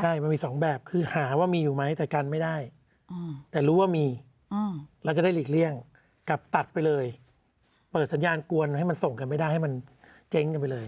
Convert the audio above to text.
ใช่มันมีสองแบบคือหาว่ามีอยู่ไหมแต่กันไม่ได้แต่รู้ว่ามีแล้วจะได้หลีกเลี่ยงกลับตัดไปเลยเปิดสัญญาณกวนให้มันส่งกันไม่ได้ให้มันเจ๊งกันไปเลย